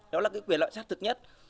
đó là cái quyền lợi xác thực nhất